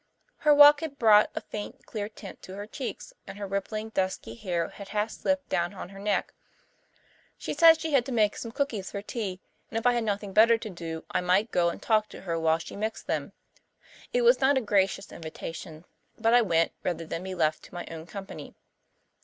Her walk had brought a faint, clear tint to her cheeks and her rippling dusky hair had half slipped down on her neck. She said she had to make some cookies for tea and if I had nothing better to do I might go and talk to her while she mixed them. It was not a gracious invitation but I went, rather than be left to my own company.